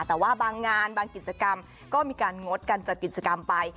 แต่ว่าบางงานบางกิจกรรมก็มีการงดการจัดกิจกรรมไป